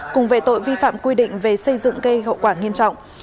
cùng về tội vi phạm quy định về xây dựng gây hậu quả nghiêm trọng